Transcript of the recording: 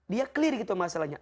dia clear gitu masalahnya